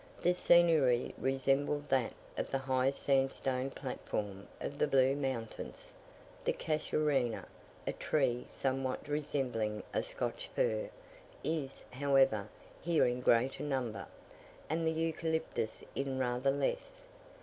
The scenery resembled that of the high sandstone platform of the Blue Mountains; the Casuarina (a tree somewhat resembling a Scotch fir) is, however, here in greater number, and the Eucalyptus in rather less.